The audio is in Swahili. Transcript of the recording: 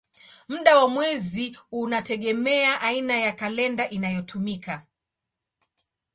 Muda wa mwezi unategemea aina ya kalenda inayotumika.